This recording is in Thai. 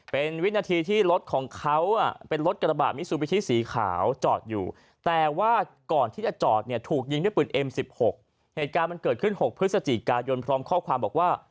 ไปดูภาพเหตุการณ์ก่อนครับ